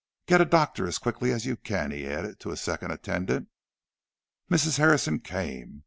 "Get a doctor as quickly as you can," he added to a second attendant. Mrs. Harrison came.